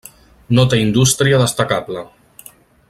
No té indústria destacable.